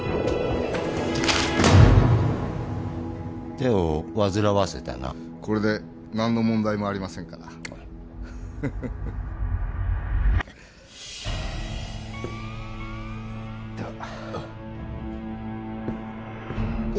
・手を煩わせたなこれで何の問題もありませんからではああ